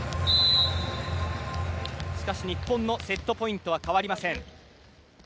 しかし日本のセットポイントは変わりません。